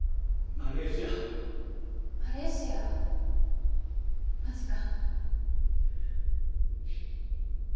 マレーシアマジか。